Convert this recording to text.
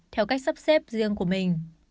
theo cách sắp xếp riêng của mình